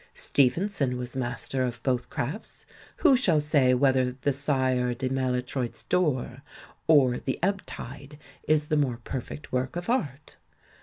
Stevenson was master of both crafts. Who shall say whether The Sire de MaUtroifs Door or The Ebb Tide is the more perfect work of art?